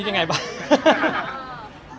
คิดยังไงบ้าง